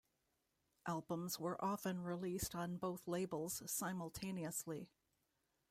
Albums were often released on both labels simultaneously.